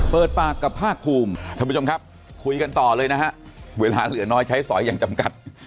เปิดปากกับภาคภูมิท่านผู้ชมครับคุยกันต่อเลยนะฮะเวลาเหลือน้อยใช้สอยอย่างจำกัด